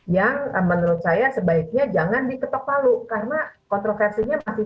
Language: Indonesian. yang menurut saya sebaiknya jangan diketok palu karena kontroversinya masih